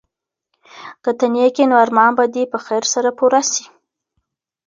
که ته نېک یې نو ارمان به دي په خیر سره پوره سي.